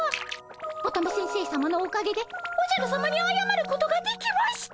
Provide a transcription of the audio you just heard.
乙女先生さまのおかげでおじゃるさまにあやまることができました。